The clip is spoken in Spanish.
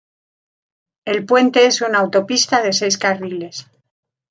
El puente es una autopista de seis carriles.